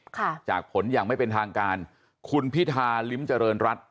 ค่ะจากผลอย่างไม่เป็นทางการคุณพิธาลิ้มเจริญรัฐ